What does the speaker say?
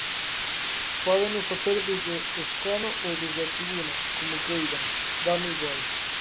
Pódeno facer desde o escano ou desde a tribuna, como queiran, dáme igual.